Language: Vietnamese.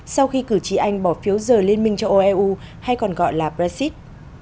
sau khi cử trí anh bỏ phiếu giờ liên minh cho oeu hay còn gọi là brexit